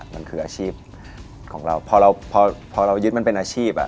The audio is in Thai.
มันคืออาชีพของเราพอเรายึดมันเป็นอาชีพ